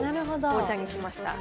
紅茶にしました。